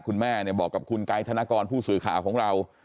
คุณแม่เนี่ยบอกกับคุณไกด์ธนกรผู้สื่อข่าวของเรา